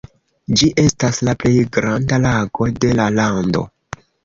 Ĝi estas la plej granda lago de la lando.